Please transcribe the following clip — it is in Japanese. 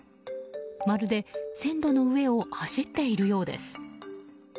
まるで線路の上を走っているようです。